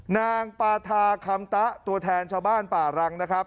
นางปาธาคำตะตัวแทนชาวบ้านป่ารังนะครับ